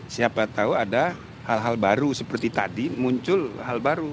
siapa tahu ada hal hal baru seperti tadi muncul hal baru